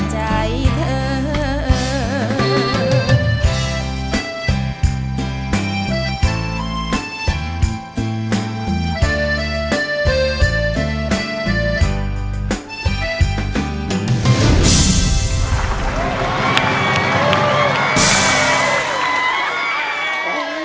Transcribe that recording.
ใจเธอ